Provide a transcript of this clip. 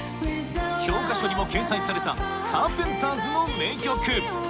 教科書にも掲載されたカーペンターズの名曲